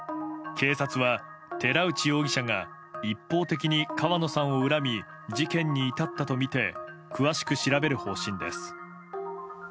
警察は寺内容疑者が一方的に川野さんを恨み事件に至ったとみて詳しく調べる方針です。